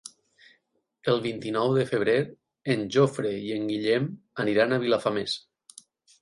El vint-i-nou de febrer en Jofre i en Guillem aniran a Vilafamés.